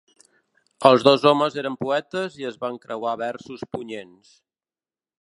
Els dos homes eren poetes i es van creuar versos punyents.